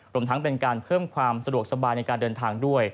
รวมทั้งเป็นการเพิ่มความสะดวกสบายในการเดินทางด้วย